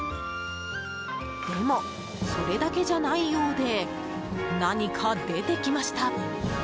でも、それだけじゃないようで何か出てきました。